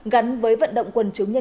gắn với vận động quần chúng nhân